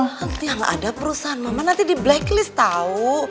nanti yang ada perusahaan mama nanti di blacklist tau